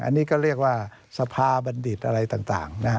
อันนี้ก็เรียกว่าสภาบัณฑิตอะไรต่างนะฮะ